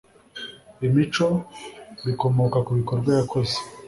imico bikomoka ku bikorwa yakoze